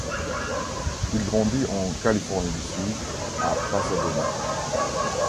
Il grandit en Californie du Sud, à Pasadena.